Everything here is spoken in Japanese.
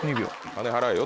金払えよ！